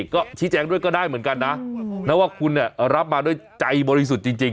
ก็ชี้แจงด้วยก็ได้เหมือนกันนะว่าคุณเนี่ยรับมาด้วยใจบริสุทธิ์จริง